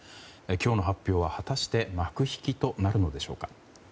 今日の発表は、果たして幕引きとなるのでしょうか。